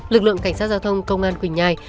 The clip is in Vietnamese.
lực lượng cảnh sát giao thông công an quỳnh nhai